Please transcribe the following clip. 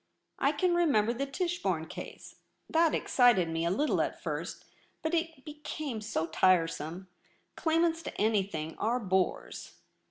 I can re member the Tichborne case ; that excited me a little at first, but it became so tiresome. Claimants to anything are bores.'